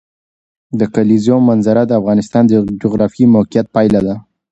د کلیزو منظره د افغانستان د جغرافیایي موقیعت پایله ده.